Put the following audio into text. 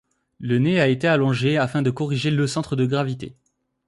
Le nez a été allongé afin de corriger le centre de gravité.